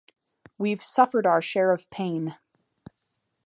We've suffered our share of pain.